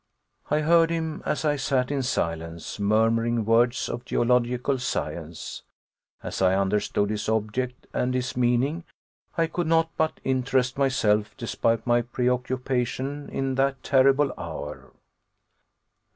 I heard him, as I sat in silence, murmuring words of geological science. As I understood his object and his meaning, I could not but interest myself despite my preoccupation in that terrible hour.